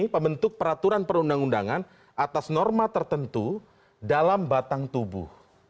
pembentuk peraturan perundang undangan atas norma tertentu dalam batang tubuh